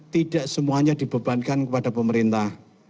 tidak semuanya dibebankan kepada pemerintah